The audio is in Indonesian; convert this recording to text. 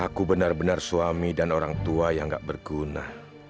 aku benar benar suami dan orang tua yang gak berguna